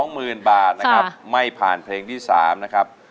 หมื่นบาทนะครับไม่ผ่านเพลงที่๓นะครับ